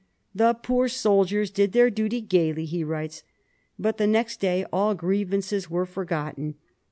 " The poor soldiers did their duty gaily," he writes. But the next day all griev ances were forgotten.